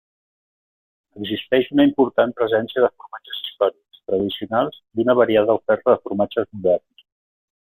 Existeix una important presència de formatges històrics, tradicionals, i una variada oferta de formatges moderns.